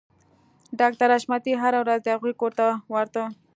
ډاکټر حشمتي هره ورځ د هغوی کور ته ورته